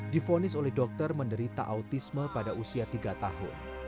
difonis oleh dokter menderita autisme pada usia tiga tahun